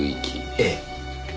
ええ。